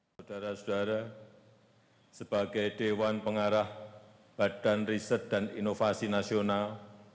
saudara saudara sebagai dewan pengarah badan riset dan inovasi nasional